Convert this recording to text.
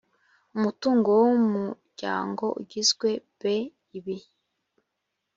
umutungo w umuryango ugizwe b ibi